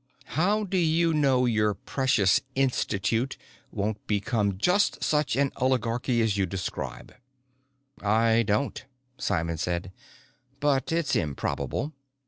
"How do you know your precious Institute won't become just such an oligarchy as you describe?" "I don't," Simon said, "but it's improbable.